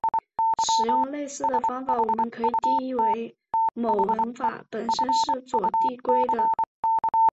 使用类似的方式我们可以定义出某文法本身是左递归的。